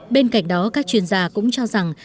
bên cạnh đó các chuyên gia cũng cho rằng